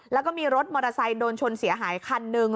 แล้วก็มีรถมอเตอร์ไซค์โดนชนเสียหายคันหนึ่ง